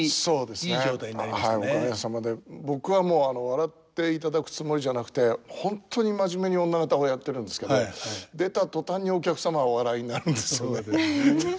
僕は笑っていただくつもりじゃなくて本当に真面目に女方をやってるんですけど出た途端にお客様がお笑いになるんですよね。